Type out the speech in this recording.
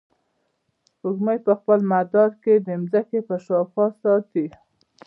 سپوږمۍ په خپل مدار کې د ځمکې په شاوخوا ساتي.